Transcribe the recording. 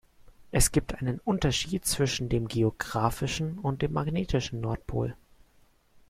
Es gibt einen Unterschied zwischen dem geografischen und dem magnetischen Nordpol.